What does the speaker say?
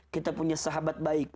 kita punya sahabat baik